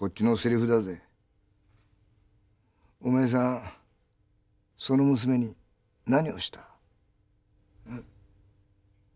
お前さんその娘に何をした？